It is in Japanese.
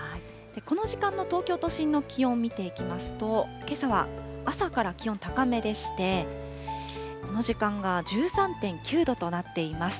この時間の東京都心の気温を見ていきますと、けさは朝から気温高めでして、この時間が１３．９度となっています。